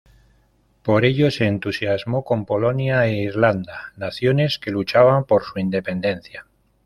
Por ello se entusiasmó con Polonia e Irlanda, naciones que luchaban por su independencia.